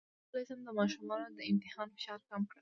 څنګه کولی شم د ماشومانو د امتحان فشار کم کړم